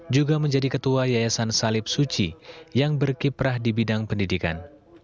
juga menjadi ketua yayasan salib suci yang berkiprah di bidang pendidikan